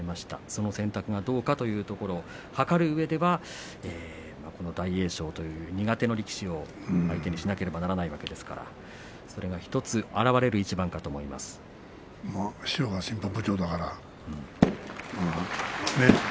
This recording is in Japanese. その選択がどうかというところを図るうえではこの大栄翔という苦手な力士を相手にしなければいけないわけですからそれが１つ師匠が審判部長からね。